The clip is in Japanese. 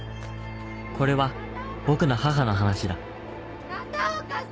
これは僕の母の話だ片岡さん！